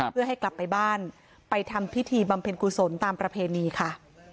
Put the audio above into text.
เพื่อให้กลับไปบ้านไปทำพิธีบำเพ็ญกุศลตามประเพณีค่ะ